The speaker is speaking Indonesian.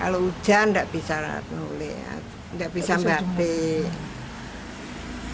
kalau hujan nggak bisa nulis nggak bisa membatik